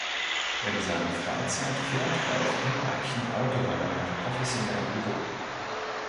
In seiner Freizeit fährt Rolf Ineichen Autorennen auf professionellem Niveau.